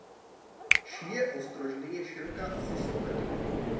Šíje ostrožny je široká asi sto metrů.